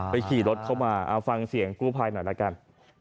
ขี่รถเข้ามาเอาฟังเสียงกู้ภัยหน่อยละกัน